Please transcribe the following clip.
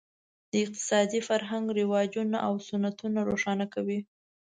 د اقتصادي فرهنګ رواجونه او سنتونه روښانه کوي.